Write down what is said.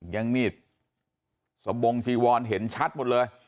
ยังมีดสบงจีวอนเห็นชัดหมดเลย